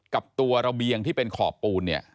กับตัวระเบียงที่เป็นขอบปูนเนี่ย